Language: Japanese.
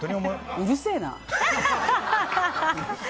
うるせえな？